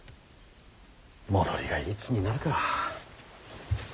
戻りがいつになるか。